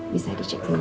bisa di cek dulu